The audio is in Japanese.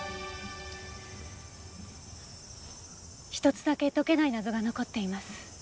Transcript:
一つだけ解けない謎が残っています。